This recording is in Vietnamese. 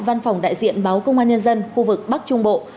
văn phòng đại diện báo công an nhân dân khu vực bắc trung bộ